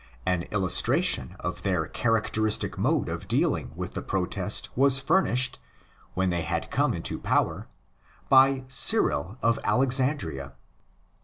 An illustra tion of their characteristic mode of dealing with the protest was furnished, when they had come into power, by Cyril of Alexandria.